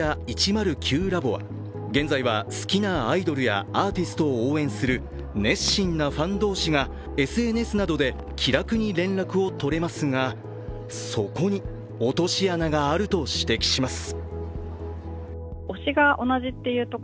ｌａｂ．は現在は好きなアイドルやアーティストを応援する熱心なファン同士がＳＮＳなどで、気楽に連絡をとれますがそこに落とし穴があると指摘します。